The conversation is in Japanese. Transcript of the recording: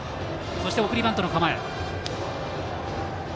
そして送りバントの構え。